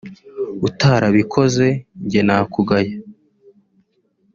Utarabikoze njye nakugaya